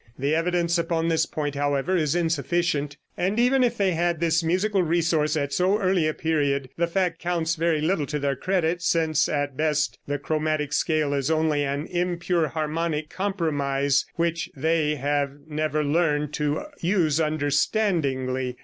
The evidence upon this point, however, is insufficient. And even if they had this musical resource at so early a period the fact counts very little to their credit, since at best the chromatic scale is only an impure harmonic compromise, which they have never learned to use understandingly.